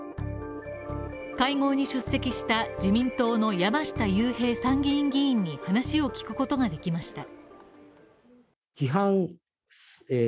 会合に出席した自民党の山下雄平参議院議員に話を聞くことができました。